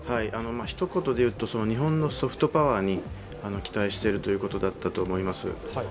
ひと言で言うと日本のソフトパワーに期待しているということだったと思います。